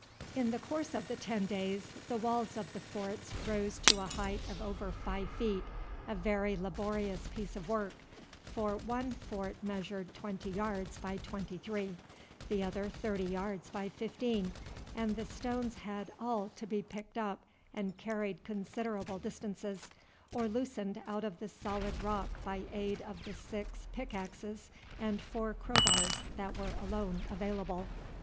In the course of the ten days the walls of the forts rose to a height of over five feet a very laborious piece of work, for one fort measured twenty yards by twenty three; the other thirty yards by fifteen, and the stones had all to be picked up and carried considerable distances, or loosened out of the solid rock by aid of the six pickaxes and four crowbars that were alone available.